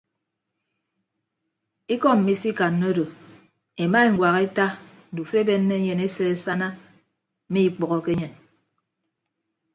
Ikọ mmi isikanna odo ema eñwak eta ndufo ebenne enyen ese asana mme ikpәhoke enyen.